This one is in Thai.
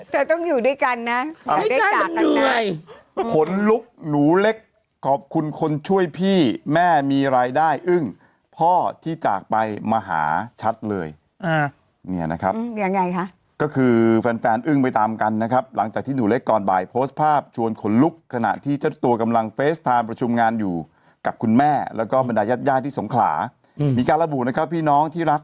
แต่ต้องอยู่ด้วยกันนะไม่ใช่มันเหนื่อยขนลุกหนูเล็กขอบคุณคนช่วยพี่แม่มีรายได้อึ้งพ่อที่จากไปมาหาชัดเลยอ่าเนี้ยนะครับอืมยังไงคะก็คือแฟนแฟนอึ้งไปตามกันนะครับหลังจากที่หนูเล็กก่อนบ่ายโพสต์ภาพชวนขนลุกขณะที่เจ้าตัวกำลังเฟสไทม์ประชุมงานอยู่กับคุณแม่แล้วก็